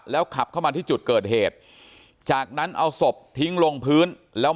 ขับเข้ามาที่จุดเกิดเหตุจากนั้นเอาศพทิ้งลงพื้นแล้ว